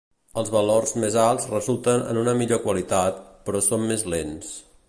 Els valors més alts resulten en una millor qualitat, però són més lents.